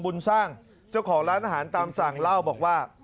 บุญสร้างเจ้าของร้านอาหารตามสั่งเล่าบอกว่า